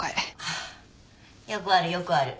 ああよくあるよくある。